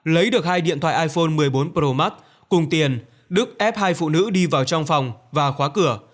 lấy được hai điện thoại iphone một mươi bốn pro max cùng tiền đức ép hai phụ nữ đi vào trong phòng và khóa cửa